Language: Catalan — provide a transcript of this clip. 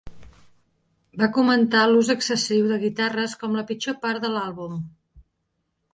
Va comentar l"ús excessiu de guitarres com la pitjor part de l"àlbum.